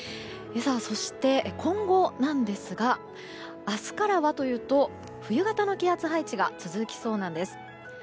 そして、今後なんですが明日からはというと冬型の気圧配置が続きそうなんです。